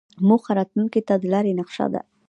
موخه راتلونکې ته د لارې نقشه ده.